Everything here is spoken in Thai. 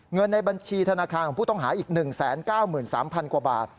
เงินในบัญชีธนาคารของผู้ต้องหาอีก๑๙๓๐๐กว่าบาท